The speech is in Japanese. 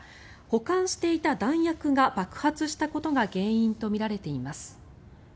保管していた弾薬が爆発したことが原因とみられています。